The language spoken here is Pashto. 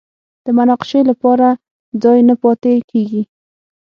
د مناقشې لپاره ځای نه پاتې کېږي